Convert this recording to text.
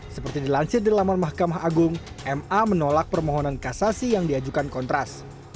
seperti dilansir di laman mahkamah agung ma menolak permohonan kasasi yang diajukan kontras